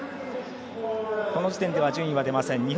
この時点では順位は出ません。